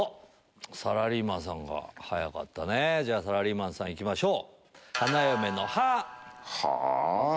サラリーマンさんが早かったねサラリーマンさん行きましょう。